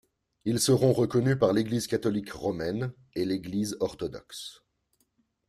Ils seront reconnus par l'Église catholique romaine et l'Église orthodoxe.